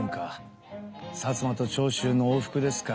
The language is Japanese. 「薩摩と長州の往復です」か。